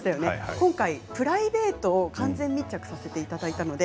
今回、プライベートを完全密着させていただいたので。